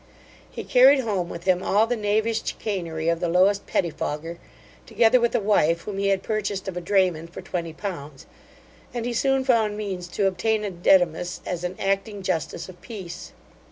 He carried home with him all the knavish chicanery of the lowest pettifogger, together with a wife whom he had purchased of a drayman for twenty pounds; and he soon found means to obtain a dedimus as an acting justice of peace.